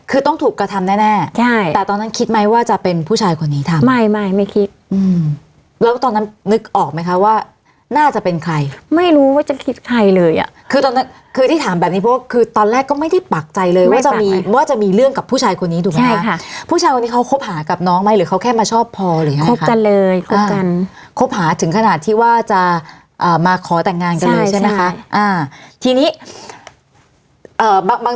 อืมแล้วก็ตอนนั้นนึกออกไหมคะว่าน่าจะเป็นใครไม่รู้ว่าจะคิดใครเลยอ่ะคือตอนนั้นคือที่ถามแบบนี้เพราะว่าคือตอนแรกก็ไม่ได้ปักใจเลยว่าจะมีว่าจะมีเรื่องกับผู้ชายคนนี้ถูกไหมคะใช่ค่ะผู้ชายคนนี้เขาคบหากับน้องไหมหรือเขาแค่มาชอบพอหรือยังไงค่ะคบกันเลยคบกันคบหาถึงขนาดที่ว่าจะเอ่อมาขอแต่งงานกันเลย